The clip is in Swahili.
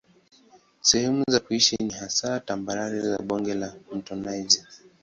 Sehemu za kusini ni hasa tambarare za bonde la mto Niger.